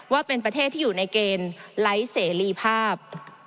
ว่าเป็นประเทศที่อยู่ในเกณฑ์ไร้เสรีภาพ